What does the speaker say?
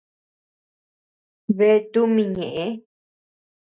Bea tumi ñeʼe.